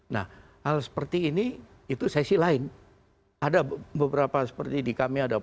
nah hal seperti ini itu sesi lain ada beberapa seperti di kami ada